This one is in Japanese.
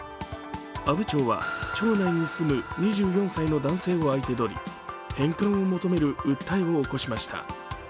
阿武町は、町内に住む２４歳の男性を相手取り返還を求める訴えを起こしました。